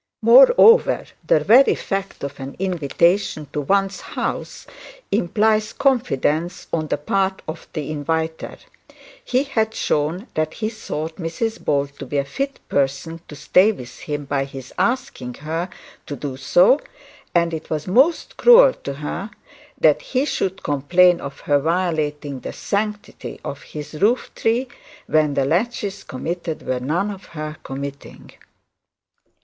Moreover, the very fact of an invitation to one's house implies confidence on the part of the inviter. He had shown that he thought Mrs Bold to be a fit person to stay with him by his making her to do so, and it was most cruel to her that he should complain of her violating the sanctity of his roof tree, when the laches committed were none of her committing.